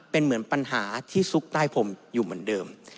เป็นเหมือนปัญหาที่ซุกใต้พรมอยู่เหมือนเดิม